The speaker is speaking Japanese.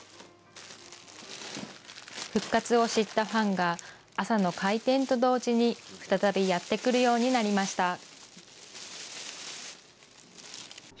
復活を知ったファンが朝の開店と同時に、再びやって来るようになりました。